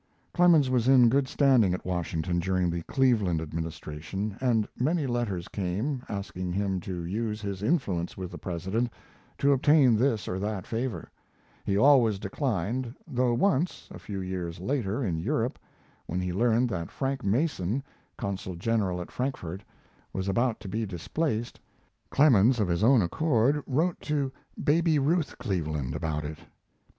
Clemens was in good standing at Washington during the Cleveland administration, and many letters came, asking him to use his influence with the President to obtain this or that favor. He always declined, though once a few years later, in Europe when he learned that Frank Mason, consul general at Frankfort, was about to be displaced, Clemens, of his own accord, wrote to Baby Ruth Cleveland about it.